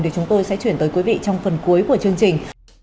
thì chúng tôi sẽ chuyển tới quý vị trong phần cuối của chương trình